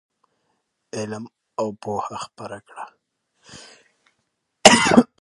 علم او پوهه خپره کړئ.